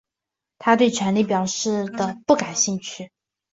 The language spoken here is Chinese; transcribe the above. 他对权力表现得不感兴趣。